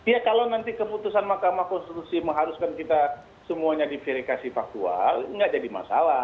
ya kalau nanti keputusan mahkamah konstitusi mengharuskan kita semuanya di verifikasi faktual itu tidak jadi masalah